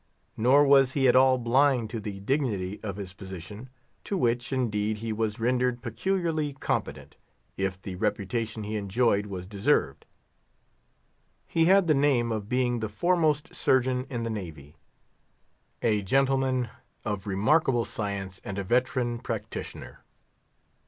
Nor was he at all blind to the dignity of his position; to which, indeed, he was rendered peculiarly competent, if the reputation he enjoyed was deserved. He had the name of being the foremost Surgeon in the Navy, a gentleman of remarkable science, and a veteran practitioner.